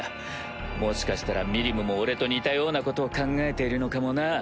もしかしたらミリムも俺と似たようなことを考えているのかもな。